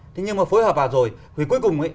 thế nhưng mà phối hợp vào rồi thì cuối cùng ấy